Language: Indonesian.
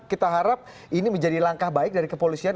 kita harap ini menjadi langkah baik dari kepolisian